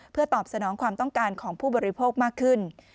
เพื่อตอบสนองความต้องการของผู้บริโภคมากขึ้น